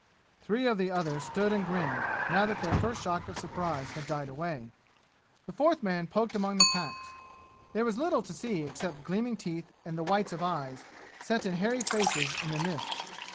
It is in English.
Three of the others stood and grinned, now that their first shock of surprise had died away. The fourth man poked among the packs. There was little to see except gleaming teeth and the whites of eyes, set in hairy faces in the mist.